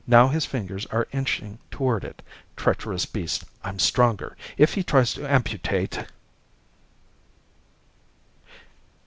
Now his fingers are inching toward it. Treacherous beast. I'm stronger. If he tries to amputate